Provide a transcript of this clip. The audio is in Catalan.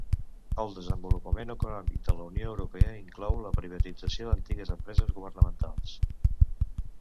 El desenvolupament econòmic de la Unió Europea inclou la privatització d'antigues empreses governamentals.